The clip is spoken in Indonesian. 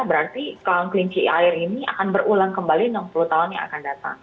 berarti kalangan kelinci air ini akan berulang kembali enam puluh tahun yang akan datang